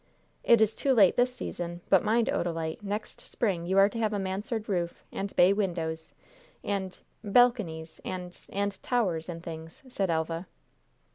"It is too late this season; but mind, Odalite, next spring you are to have a mansard roof, and bay windows, and balconies, and and towers and things," said Elva.